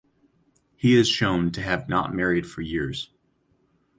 He is shown to have not married for years.